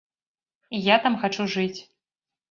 І я там хачу жыць.